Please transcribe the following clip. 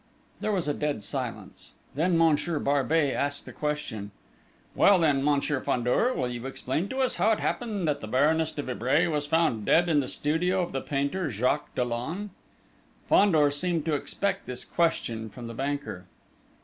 There was a dead silence. Then Monsieur Barbey asked a question. "Well, then, Monsieur Fandor, will you explain to us how it happened that the Baroness de Vibray was found dead in the studio of the painter, Jacques Dollon?" Fandor seemed to expect this question from the banker.